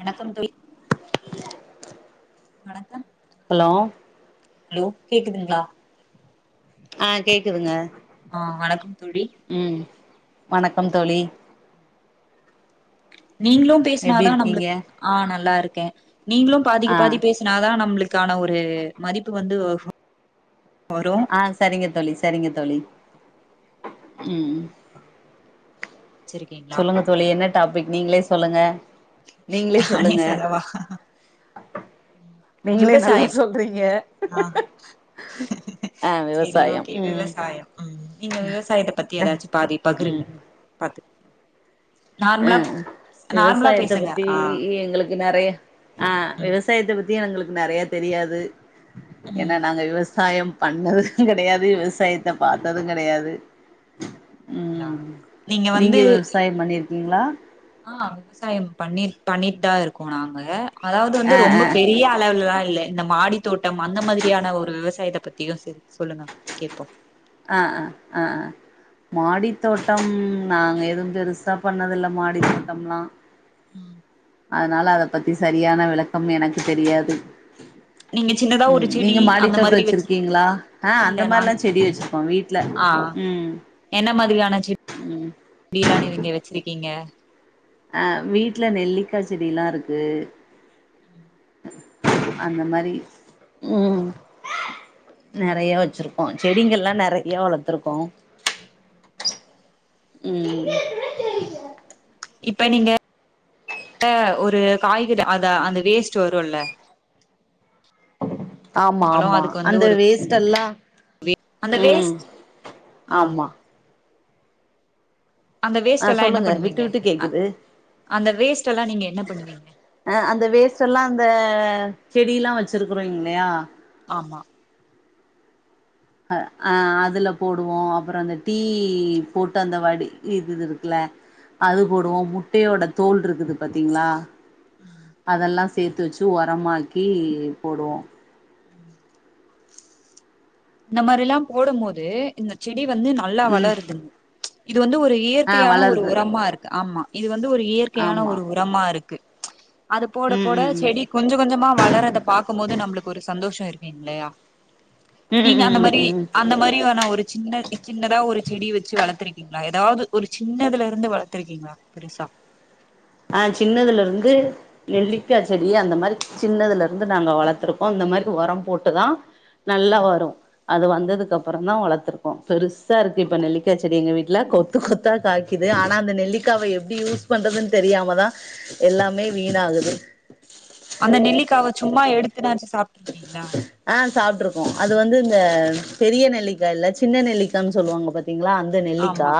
வணக்கம் தோழி வணக்கம் ஹலோ ஹலோ கேக்குதுங்லா ஆ கேக்குதுங்க ஆ வணக்கம் தோழி ம் வணக்கம் தோழி நீங்ளு எப்டி பேசுனாதா இருக்கீங்க நம்ளுக்கு ஆ நல்லா இருக்கே நீங்களு ஆ பாதிக்கு பாதி பேச னாதா நம்ளுக்கான ஒரு மதிப்பு வந்து வ வரு ஆ சரிங்க தோழி சரிங்க தோழி ம் வெச்சுருக்கிங்ளா சொல்லுங்க தோழி என்ன டாபிக் நீங்ளே சொல்லுங்க நீங்ளே நானே சொல்லுங்க சொல்லவா நீங்ளே நல்லா விவசாயம் சொல்றிங்க செரி ஓகே விவசாயம் ம் நீங்க விவசாயத்த பத்தி எதாச்சி பாதி பகுருங்க ம் பத்து அ நார்மலா விவசாயத்த பேசுங்க பத்தி ஆ எங்ளுக்கு நெறைய அ ம் விவசாயத்த பத் த்தி எங்ளுக்கு நெறைய தெரியாது ஏன்னா ம் நாங்க விவசாயம் பண்ணதுகெடையாது விவசாயத்த பாத்தது கெடையாது சரிங்களா? உம் நீங்க விவசாயம் பண்ணிருக்கீங்களா ஆ விவசாயம் பண்ணி பண்ணிட்தாருக்கோ நாங்க அதாவது வந்து ஆ ஆ ரொம்போ பெரிய அளவுலல்ல இல்ல இந்த மாடி தோட்டம் அந்த மாதிரியான ஒரு விவசாயத்த பத்தியு சேர் சொல்லுங்க கேப்போ ஆ அ ஆ அ மாடித்தோட்டம் நாங்க எதும் பெருசா பண்ணதில்ல மாடி தோட்டம்லா உம் அதனால அத பத்தி சரியான விளக்கம் எனக்கு தெரியாது நீங்க சின்னதா ஒரு ம் செடி நீங்க அந்த மாடித்தோட்டொ மாதிரி வச்சு வச்சிருக்கீங்ளா ஆ இல்ல அந்த நாங் மாரில்லா செடி வச்சிருக் அவ் வீட்ல ஆ ம் என்ன மாதிரியான ம் இப்டிலா நிவ்இங்க வச்சிருக்கீங்க ஆ வீட்ல நெல்லிக்கா செடியெல்லார்க்கு அந்த மாரி ம் நெறைய வச்சிருக்கோ செடிங்கள்லா நெறைய வளத்துருக்கோ ம் இப்ப நீங்க ஒரு காய்கறி அத அந்த வேஸ்ட் வருல்ல ஆமா பழோ ஆமா அதுக்கு வந்து அந்த ஒரு வேஸ்ட்டேல்லா அந்த ம் வேஸ்ட் ஆ ஆமா அந்த வேஸ்ட் ஆ எல்லா என்ன சொல்லுங்க விட்டு பண்ணுவீங்க விட்டு கேக்குது அந்த வேஸ்ட் எல்லா நீங்க என்ன பண்ணுவீங்க ஆ அந்த வேஸ்டெல்லா அந்த செடியேல்லா வச்சிருக்குறோங்கில்லையா ஆமா ஆ அதுல போடுவோ அப்பறொ அந்த டீ போட்டு அந்த வடி இது இருக்குல்ல அது ம் போடுவோ முட்டையோட தோல் இருக்குது பாத்தீங்ளா அதெல்லா சேத்து வச்சு வொரமாக்கி போடுவோ ம் இந்த மாரில்லா போடும் போது இந்த செடி வந்து நல்லா ம் வளருதுங்க இது வந்து ஒரு ஆ இயற்கையான ஒரு வளருது உரமா இருக்கு ஆமா இது வந்து ஒரு இயற்கையான ஆமா ஒரு உரமா இருக்கு அது போட ம் போட ம் ம் செடி கொஞ்ச கொஞ்சமா வளரத பாக்கும் போது நம்மளுக்கு ஒரு சந்தோஷொ இருக்குங் இல்லயா ம் நீங்க அந்த ம் மாரி ம் ம் அந்த மாரி வேனா ஒரு சின்ன சின்னதா ஒரு செடி வச்சு வளத்துருக்கீங்களா ஏதாவது ஒரு சின்னதுலர்ந்து வளத்துருக்கீங்ளா பெருசா ஆ சின்னதுலர்ந்து நெல்லிக்கா செடி அந்த மாரி சின்னதுலருந்து நாங்க வளத்துருக்கோ இந்த மாரி வொரம் போட்டுதா நல்லா வரு அது வந்ததுக்கு அப்பற தா வளத்துருக்கொ பெருசார்க்கு இப்ப நெல்லிக்கா செடி எங்க வீட்ல கொ த்து கொத்தா காய்க்குது ஆனா அந்த நெல்லிக்காவ எப்டி யூஸ் பண்றதுன்னு தெரியாமதா எல்லாமே வீணாகுது அந்த நெல்லிக்காவ சும்மா எடுத்து நாச்சு சாப்ருக்கீங்ளா ஆ சாப்ட்டுருக்கோ அது வந்து இந்த பெரிய நெல்லிக்கா இல்ல சின்ன நெல்லிக்கான்னு சொல்லுவாங்க பாத்தீங்ளா அ ந்த நெல்லிக்கா ஆமா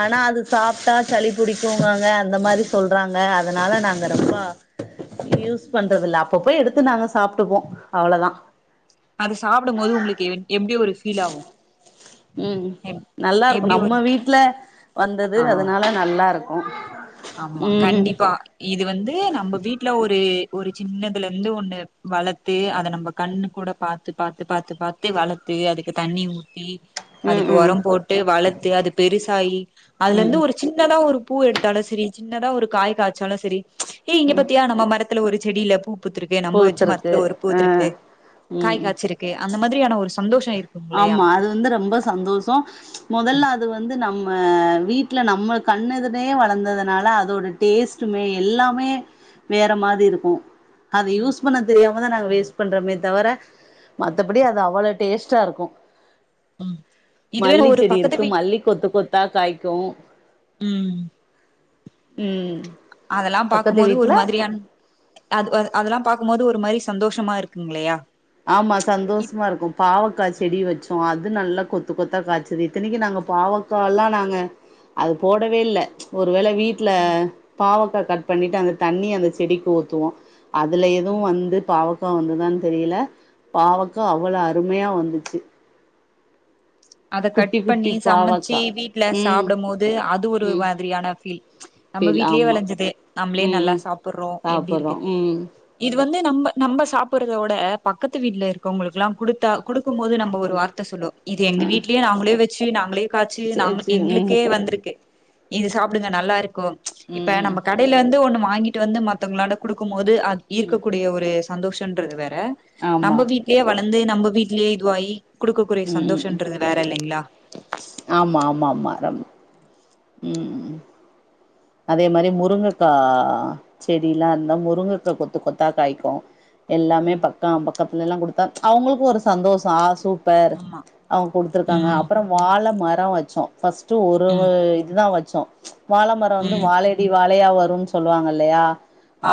ஆனா அது சாப்ட்டா சளி புடிக்குங்காங்க அந்த மாரி சொல்றாங்க அதனால நாங்க ரொம்ப யூஸ் பண்றது இல்ல அப்பப்போ எடுத்து நாங்க சாப்ட்டுப்போம் அவ்ளோ தான் அது சாப்டும் போது உங்களுக்கு எப்படி ஒரு ஃபீல் ஆகும் ம் நல்லா இருக்கும் எப்டி ஒரு நம்ம வீட்டுல வந்தது ஆ அதனால நல்லா இருக்கும் ஆமா கண்டிப்பா இது வந்து நம்ம வீட்டுல ஒரு ஒரு சின்னதுல இருந்து ஒண்ணு வளத்து அதை நம்ம கண்ணு கூட பாத்து பாத்து பாத்து பாத்தே வளத்து அதுக்கு தண்ணி ஊத்தி ம் அதுக்கு ம் உரம் போட்டு வளத்து அது பெருசாயி அதுல இருந்து ம் ஒரு சின்னதா ஒரு பூ எடுத்து லும் செரி சின்னதா ஒரு கடைசிக்கு என்ன தா ஒரு காய் காய்ச்சாலும் செரி ஏய் இங்க பத்தியா நம்ம மரத்துல ஒரு செடியில பூப் பூத்துருக்கு நம்ப வச்சு பூத்துருக்கு மரத்துல ஒரு ஆ பூத்துருக்கு ம் காய் ம் காய்ச்சுருக்கு அந்த மாதிரியான ஒரு சந்தோஷம் இருக்கு ஆமா அது வந்து ரொம்ப சந்தோஷம் முதல்ல அது வந்து நம்ம வீட்டுல நம்ம கண்ணுஎதிரயே வளர்ந்ததுனால அதோட டேஸ்ட்டுமே எல்லாமே வேற மாதிரி இருக்கும் அது யூஸ் பண்ண தெரியாமதான் நாங்க வேஸ்ட் பண்றமே தவர மத்தபடி அது அவ்வள டேஸ்ட் டா இருக்கும் ம் இதுவே மல்லி ஒரு செடி பக்கத்து இருக்கு வீட் மல்லி கொத்து கொத்தா காய்க்கும் ம் ம் அதெல்லாம் பக்கத்து பார்க்கும்போது ஒரு வீட்ல மாதிரியா அது அதெல்லாம் பார்க்கும் போது ஒரு மாதிரி சந்தோஷமா இருக்குமில்லையா ஆமா சந்தோஷமா இருக்கும் பாவக்காய் ம் செடி வச்சு அது நல்லா கொத்து கொத்தா காய்ச்சுது இத்தனக்கு நாங்க பாவக்கால்லா நாங்க அது போடவேல்ல ஒருவேள வீட்ல ம் பாவக்கா கட் பண்ணிட்டு அந்த தண்ணிய அந்த செடிக்கு ஊத்துவோ அதில் எதுவும் வந்து பாவக்க வந்ததான்னு தெரியல பாவக்கா அவ்வளோ அருமையாக வந்துச்சு அத கட் குட்டி குட்டி பண்ணி சமைச்சு பாவக்கா வீட்டுல ம் சாப்பிடும் போது அது ஒரு ம் மாதிரியான ஃபீல் நம்ம ஃபீல் வீட்லேயே ஆமா விளைஞ்சது நம்மளே ம் நல்லா ம் சாப்பிடுறோம் எப்படி சாப்புட்றோ இருக்கு ம் வந்து நம்ம நம்ம சாப்பிடுறதோட பக்கத்து வீட்டுல இருக்கவங்களுக்கு எல்லாம் கொடுத்தா கொடுக்கும் போது நம்ம ஒரு வார்த்தை சொல்லூம் இது எங்க ம் வீட்லேயே நாங்களே வச்சி நாங்களே காச்சி நா சேர் சேர் ம் எங்களுக்கே வந்திருக்கு இது சாப்பிடுங்க நல்லா இருக்கு ம் இப்ப ம் நம்ம கடையிலிருந்து ஒண்ணுவாங்கிட்டு வந்து மத்தவங்களோட கொடுக்கும் போது அது இருக்கக்கூடிய ஒரு சந்தோஷம்ன்றது வேற ஆமா நம்ம வீட்லயே வளர்ந்து நம்ம வீட்லயே இதுவாயி கொடுக்கக்கூடிய ம் ம் ம் சந்தோசங்கறது வேற இல்லைங்களா ஆமா ஆமா ஆமா ம் அதே மாதிரி முருங்கைக்கா செடியெல்லாம் இருந்தா முருங்கைக்காய் கொத்து கொத்தா காய்க்கும் எல்லாமே ம் பக்கம் பக்கத்துல எல்லாம் கொடுத்தா அவங்களுக்கும் ஒரு சந்தோஷம் ஆ சூப்ப ஆமா அவங்க கொடுத்துருக்காங்க ம் அப்புறம் வாழை மரம் வச்சோம் ஃபஸ்ட் ஒரு ம் இதுதான் வச்சோம் வாழை மரம் வந்து ம் வாழை அடி வாழையா வரும்னு சொல்லுவாங்க இல்லையா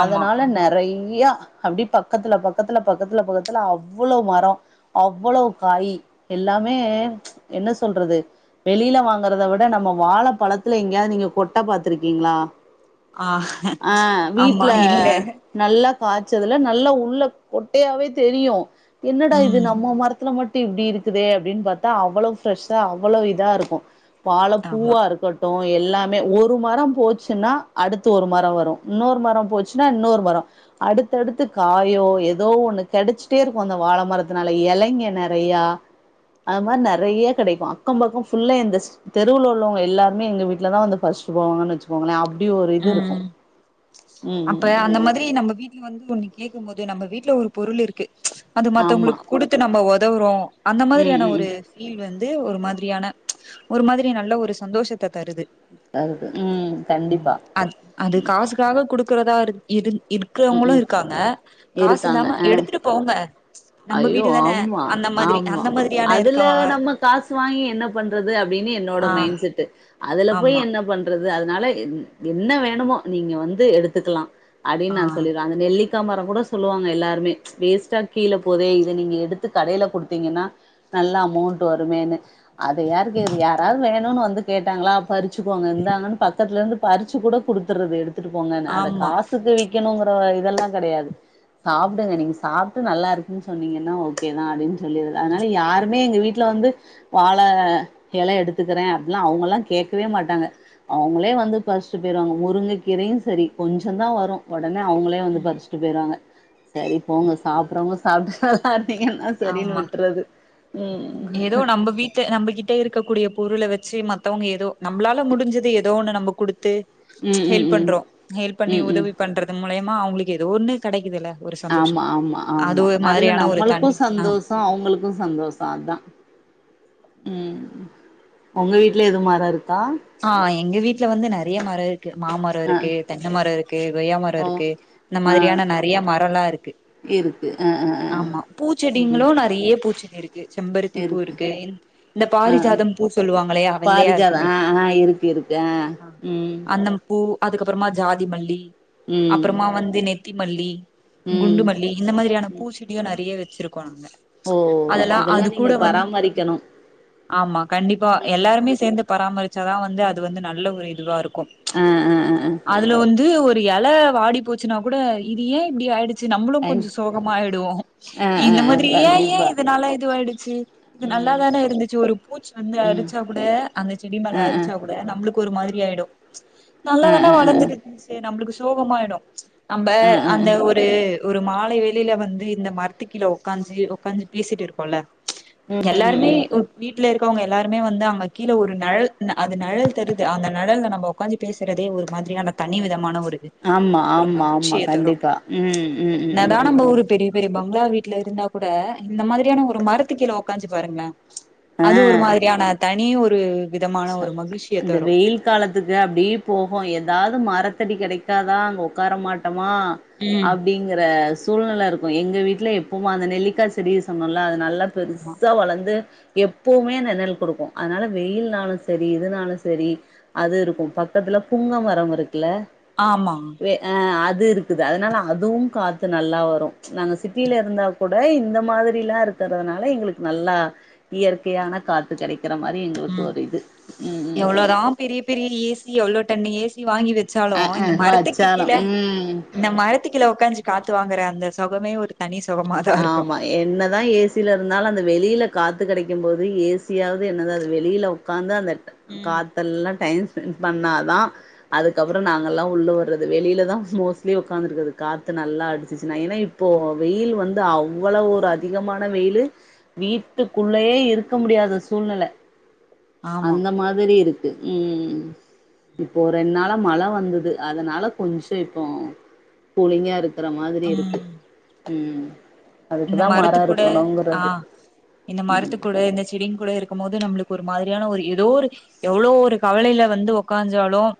ஆமா நிறைய அப்படி பக்கத்துல பக்கத்துல அவ்வளவு மரம் அவ்வளவு காய் எல்லாமே என்ன சொல்றது வெளில வாங்கறத விட வாழை பழத்துல எங்கேயாவது நீங்க கொட்டை பாத்துருக்கீங்களா ஆ ஆ ஆமா வீட்டு்ல இல்ல நல்லா காய்ச்சதுல நல்லா உள்ளே கொட்டையாவே தெரியும் என்னடா இது ம் நம்ம மரத்துல மட்டும் இப்படி இருக்குதே அப்படின்னு பார்த்தா அவ்வளவு ஃபிரெஷ்ஷா அவ்வளவு இதா இருக்கும் வாழை ஆமா பூவா இருக்கும் எல்லாமே ஒரு ஒரு மரம் போச்சுன்னா அடுத்து ஒரு மரம் வரும் இன்னொரு மரம் போச்சுன்னா இன்னொரு மரம் அடுத்தடுத்து காயோ ஏதோ ஒண்ணு கிடைச்சிகிட்டே இருக்கும் அந்த வாழை மரத்துனால இலைங்க நிறையா அ மாரி நெறைய கெடைக்கு அக்கம் பக்கம் ஃபுல்லா இந்த தெருவுல உள்ளவங்க எல்லாருமே எங்க வீட்லதா வந்து பர்ச் டு போவாங்கன் வச்சுக்கோங்களே அப்டி ஒரு இது இருக்கு ம் ம் அப்ப ம் அந்த மாதிரி நம்ம வீட் லி வந்து ஒன்னு கேக்கும் போது நம்ம வீட்ல ஒரு பொருள் இருக்கு அது ஆமா மத்தவங்களுக்கு குடுத்து நம்ம உதவுறோ அந்த ம் மாதிரியான ம் ஒரு ஃபீல் வந்து ஒரு மாதிரியான ஒரு மாதிரி நல்ல ஒரு சந்தோஷத்த தருது அதுதா கண்டிப்பா அ அது காசுக்காக குடுக்கறதா இரு இருந் ம் இருக்றவங்களு ம் இருக்காங்க காசு இருக்காங்க இல்லாம எடுத்துட்டு போங்க நம்ம ஐயோ வீடு தான ஆமா அந்த மாதிரி ஆமா அந்த மாதிரியான அதுல இருக்கவ நம்ம காசு வாங்கி என்ன பண்றது அப்டின்னு என்னோட ஆ மைண்ட் செட்டு அதுல போயி ஆமா என்ன பண்றது அதனால என் என்ன வேணுமோ நீங்க வந்து எடுத்துக்லா அப்டின் ஆ நா சொல்லிருவே அந்த நெல்லிக்கா மரோ கூட சொல்லுவாங்க எல்லாருமே வேஸ்ட்டா கீழே போதே இத நீங்க எடுத்து கடைல குடுத்தீங்கன்னா நல்ல அமௌண்டு வருமேன்னு அது யாரு கேது யாராது வேணுன்னு வந்து கேட்டாங்ளா பறிச்சுக்கோங்க இந்தாங்கன்னு பக்கத்துல இருந்து பறிச்சு கூட குடுத்துறது எடுத்துட்டு போங்கன்னு அத ஆமா காசுக்கு விக்கணுங்கிற இதெல்லா கெடயாது சாப்டுங்க நீங்க சாப்ட்டு நல்லா இருக்குன் சொன்னீங்கன்னா ஓகேதா அப்டின் சொல்லிரது அனால யாருமே எங்க வீட்ல வந்து வாழ எல எடுத்துக்குறே அப்டிலா அவங்கல்லா கேக்கவே மாட்டாங்க அவுங்களே வந்து பரிச்டு போய்டுவாங்க முருங்க கீரையு சரி கொஞ்சந்தா வரு ஒடனே அவுங்களே வந்து பறிச்ட்டு போயிருவாங்க சரி போங்க சாப்பிறவங்க சாப்ட்டு நல்லா இருந்தீங்கனா சரின்னு ஆமா விட்றது ம் ஏதோ நம்ப வீட் டு நம்மகிட்ட இருக்கக்கூடிய பொருள வச்சு மத்தவங்க ஏதோ நம்ளால முடிஞ்சது ஏதோ ஒன்னு நம்ம குடுத்து ம் ம் ஹெல்ப் ம் பண்றோ ஹெல்ப் பண்ணி ம் ம் உதவி பண்றது மூலயமா அவங்களுக்கு ஏதோ ஒன்னு கெடைக்குதுல ஒரு சந்தோஷோ ஆமா ஆமா அது ஒரு மாரியான ஒரு தனி ஆ கு அவங்களுக்கு சந்தோஷோ அதா ம் உங்க வீட்ல எது மரோ இருக்கா ஆ எங்க வீட்ல வந்து நெறைய மரோ இருக்கு மாமரோ அ இருக்கு தென்ன மரோ இருக்கு கொய்யா மரோ ஓ இருக்கு இந்த ஆ மாதிரியான நெறைய மரல்லா இருக்கு இருக்கு அ அ அ ஆமா ம் பூச்செடிங்களு நெறைய பூச்செடி இருக்கு கு செம்பருத்தி பூ இருக்கு இந்த ஆ பாரி ஜாதம் பூ சொல்லுவாங்களையா வெள்ளையா பாரிஜாதோ இருக்குமே ஆ ஆ இருக்கு இருக் ஆ அந்தம் பூ அதுக்கப்றமா ஜாதி மல்லி ம் அப்புறமா வந்து நெத் தி மல்லி குண்டு ம் மல்லி இந்த மாதிரியான பூச்செடியு நெறையா வச்சிருக்கோ நாங்க ஓ அதெல்லா இதெல்லா அது நீங்க கூட வந் பராமரிக்கணு ஆமா கண்டிப்பா ம் எல்லாருமே சேந்து பராமரிச்சாதா வந்து அது வந்து நல்ல ஒரு இதுவா இருக்கு ஆ ஆ ஆ ஆ அதுல வந்து ஒரு எல வாடி போச்சுன்னா கூட இது ஏ இப்டி ஆயிடுச் சு நம்மளு ஐ கொஞ்சோ சோகமா ஆயிடுவோ ஆ ஆ இந்த ஆ மாதிரி ஏ ஏ கண்டிப்பா இதனால இதுவாயிடுச்சு இது நல்லா ம் தான இருந்துச்சு ஒரு பூச்சி வந்து ம் அரிச்சா கூட அந்தச்செடி டி மேல ஆ ஆ அரிச்சா கூட நம்ளுக்கு ஒரு மாரி ஆயிடு நல்லா ஆ தானே ஆ ஆ ஆ வளந்துருக் சேரி நம்மளுக்கு சோகமாயிடு நம்ப ஆ ஆ அந்த ஆ ஒரு ஒரு மாலை வேளைல வந்து இந்த மரத்து கீழ உக்காந்து உக்காந்து பேசிட்டு இருக்கோல்ல ம் ம் எல்லாருமே ம் ஒர் வீட்ல இருக்கவங்க எல்லாருமே வந்து அங்க கீழ ஒரு நெழல் அந்த நெழல் தருது அந்த நெழல்ல நம்ம உக்காந்து பேசுறதே ஒரு மாதிரியான தனி விதமான ஒரு ஆமா ஒரு ஆமா ஆமா மகிழ்ச்சிய தரும் கண்டிப்பா ம் ம் ம் என்ன ம் தான் நம்ம ஒரு பெரி பெரிய பங்களா வீட்ல இருந்தா கூட இந்த மாதிரியான ஒரு மரத்து கீழ உக்காஞ்சு பாருங்களேன் அது ஒரு மாதிரியான தனி ஒரு விதமான ச ஒரு மகிழ்ச்சிய அந்த தரும் வெயில் காலத்துக்கு அப்டி போகு ஏதாவது மரத்தடி கிடைக்காதா அங்க உக்கார மாட்டமா ம் அப்டிங்கற சூழ்நில இருக்கும் எங்க வீட்டுல எப்பவுவ அந்த நெல்லிக்கா செடி சொன்னோல அது நல்லா ஆமா பெருசா வளந்து எப்பவுமே நெணல் கொடுக்கும் அதனால வெயில் னாலும் செரி இதுனாலும் செரி அது இருக்கும் பக்கத்துல புங்க மரம் இருக்குல்ல ஆமா அது இருக்குது அதனால அதுவும் காத்து நல்லா வரும் நாங்க சிட்டில இருந்தா கூட இந்த மாதிரிலா இருக்கிறதுனால எங்களுக்கு நல்லா இயற்கையான காத்து கெடைக்கிற மாதிரி எங்க ம் ஒரு இது ம் எவ்ளோதா பெரிய பெரிய ஏசி எவ்ளோ டண்ணு ஏசி வாங்கி அ வெச்சாலும் அ இந்த மரத்துக்கு வச்சாலு கீழ ம் இந்த மரத்துக்கீள உக்காஞ்சு காத்து வாங்கற அந்த சுகமே ஒரு தனி சுகம தான் இருக்கும் என்னதான் ஏசில இருந்தாலும் அந்த வெளியில காத்து கெடைக்கும் போது ஏசியாவது என்னத வெளியில உக்காந்து அந்த ம் காத்தெல்லா டைம் ஸ்பெண்ட் பண்ணாதான் அதுக் அதுக்கப்பறம் நாங்கல்லாம் உள்ள வர்றது வெளியில தான் மோஸ்லி உக்காந்துருக்கது காத்து நல்லா அடிச்சிச்சுனா எனய் இப்போ வெயில் வந்து அவ்ளவு ஒரு அதிகமான வெயிலு வீட்டுக்குள்ளயே இருக்க முடியாத சூழ்நில ஆமா அந்த மாதிரி இருக்கு து ம் இப்போ ரெண்டு நாளா மழ வந்தது அதனால கொஞ்ச இப்போ கூலிங்கா இருக்கு இருக்கற மாதிரி இருக்கு ம் இந்த அதுக்குதா மரோ மரத்து கூட ஆ இருக்கணுங்கிறது இந்த ம் மரத்து கூட இந்த செடிங்க கூட இருக்கும் போது நம்மளுக்கு ஒரு மாதிரியான ஒரு ஏதோ ஒரு எவ்ளோ ஒரு கவலையில வந்து உக்கான்ஜாலும்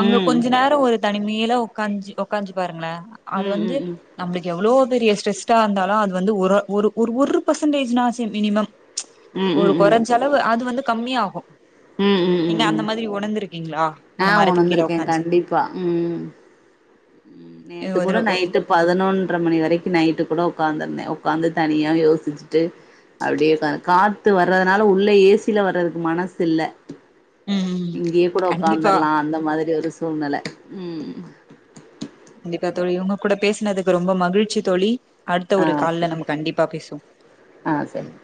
அங்க கொஞ்ச நேரம் ஒரு தனிமையல உக்கான்சு உக்கான்சு பாருங்களே அது ம் வந்து ம் ம் ம் நம்மளுக்கு எவ்ளோ பெரிய ஸ்ரெஸ்டா இருந்தாலும் அது வந்து ஒரு ஒரு ஒரு ஒரு பிரசன்டேஜ்னாசும் மினிமம் ஒரு ம் ம் ம் குறைஞ்ச அளவு அது வந்து கம்மி ஆகும் ம் ம் நீங்க அந்த ம் மாதிரி உணர்ந்திருக்கீங்களா ஆ இந்த மரத்துக்கு கீழ உணர்ந்திருக்கேன் உக்காஞ்சு கண்டிப்பா ம் இது நேத்து கூட ஒரு நைட்டு பதினொன்ட்ர மணி வரைக்கும் நைட்டு கூட உட்காந்துருந்தேன் உட்காந்து தனியா யோசிச்சிட்டு அப்டியே உக்கான்த்து காத்து வர்றதுனால உள்ள ஏசில வர்றதுக்கு மனசுல்ல ம் ம் இங்கேயே கூட கண்டிப்பா உக்காந்துரலாம் அந்த மாதிரி ஒரு சூழ்நிலை ம் கண்டிப்பா தோழி உங்க கூட பேசுனதுக்கு ரொம்ப மகிழ்ச்சி தோழி அடுத்த ஆ ஒரு ஓகே கால்ல நம்ம கண்டிப்பா பேசுவோம் ஆ செரி